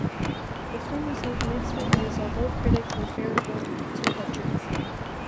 The film received mixed reviews, although critics were favorable to Hutcherson.